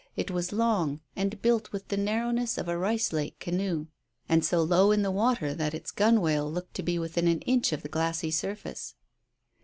It was long, and built with the narrowness of a rice lake canoe, and so low in the water that its gunwale looked to be within an inch of the glassy surface.